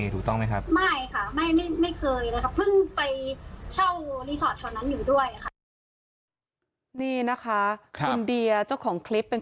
ซึ่งกลัวจริงค่ะ